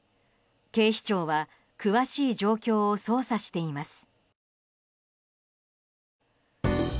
警視庁は詳しい状況を捜査しています。